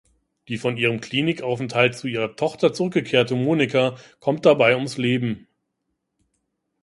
Die von ihrem Klinikaufenthalt zu ihrer Tochter zurückgekehrte Monika kommt dabei ums Leben.